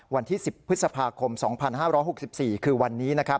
วันที่๑๐พฤษภาคม๒๕๖๔คือวันนี้